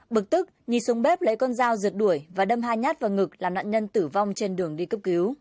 bực tức nhi xuống bếp lấy con dao rượt đuổi và đâm hai nhát vào ngực làm nạn nhân tử vong trên đường đi cấp cứu